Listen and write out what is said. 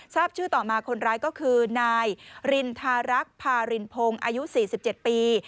ทราบชื่อต่อมาคนร้ายก็คือนายรินทารักษ์พารินพงศ์อายุ๔๗ปี